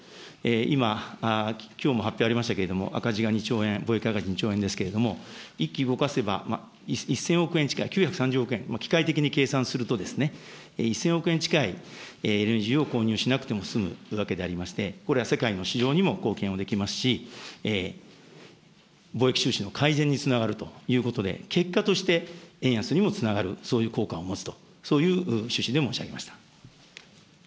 今、きょうも発表ありましたけれども、赤字が２兆円、貿易赤字２兆円ですけれども、１基動かせば１０００億円近い、９３０億円、機械的に計算するとですね、１０００億円近いＬＮＧを購入しなくても済むわけでありまして、これは世界の市場にも貢献をできますし、貿易収支の改善につながるということで、結果として、円安にもつながる、そういう効果を持つと、そういう趣旨で申し上げました。